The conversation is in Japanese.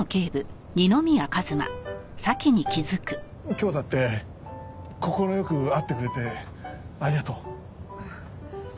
今日だって快く会ってくれてありがとう。